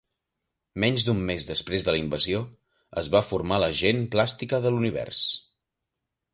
Menys d'un mes després de la invasió, es va formar la Gent Plàstica de l'Univers.